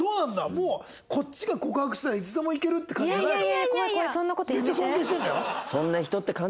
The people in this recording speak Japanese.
もうこっちが告白したらいつでもいけるって感じじゃないの？